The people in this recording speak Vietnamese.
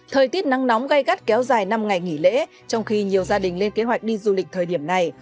thời tiết nắng nóng gai gắt kéo dài năm ngày nghỉ lễ trong khi nhiều gia đình lên kế hoạch đi du lịch thời điểm này